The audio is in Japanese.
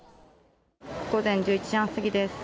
午前１１時半過ぎです。